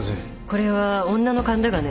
これは女の勘だがね。